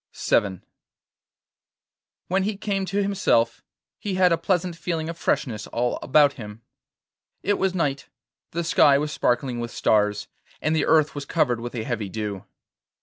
VII When he came to himself, he had a pleasant feeling of freshness all about him. It was night, the sky was sparkling with stars, and the earth was covered with a heavy dew.